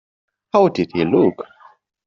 How did he look?